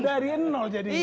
dari nol jadinya